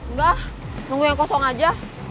enggak nunggu yang kosong aja